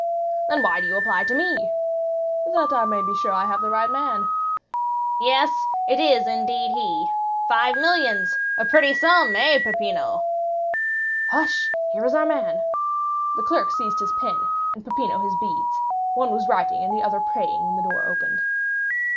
"Then why do you apply to me?" "That I may be sure I have the right man." "Yes, it is indeed he. Five millions—a pretty sum, eh, Peppino?" "Hush—here is our man!" The clerk seized his pen, and Peppino his beads; one was writing and the other praying when the door opened.